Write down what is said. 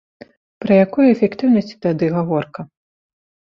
Пра якую эфектыўнасці тады гаворка!